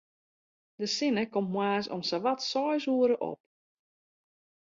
De sinne komt moarn om sawat seis oere op.